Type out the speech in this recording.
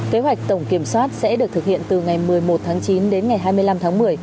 kế hoạch tổng kiểm soát sẽ được thực hiện từ ngày một mươi một tháng chín đến ngày hai mươi năm tháng một mươi